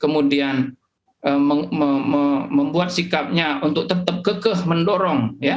membuat sikapnya untuk tetap kekeh mendorong ya